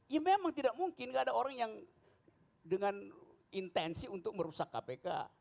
ya memang tidak mungkin nggak ada orang yang dengan intensi untuk merusak kpk